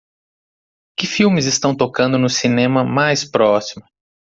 Que filmes estão tocando no cinema mais próximo